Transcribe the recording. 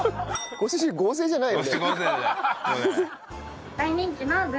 ご主人合成じゃない。